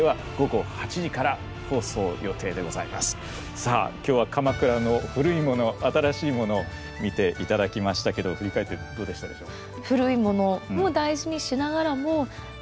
さあ今日は鎌倉の古いもの新しいもの見ていただきましたけど振り返ってどうでしたでしょうか？